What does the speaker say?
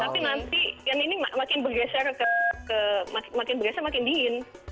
tapi nanti yang ini makin bergeser makin dingin